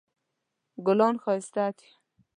ګلان ښایسته دي